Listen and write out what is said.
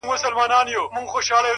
• پر وزر د توتکۍ به زېری سپور وي,